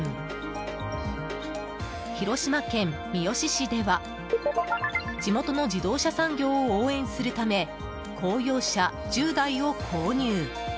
広島県三次市では地元の自動車産業を応援するため公用車１０台を購入。